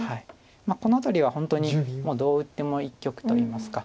この辺りは本当にもうどう打っても一局といいますか。